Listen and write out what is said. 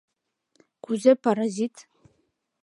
— Кузе паразит?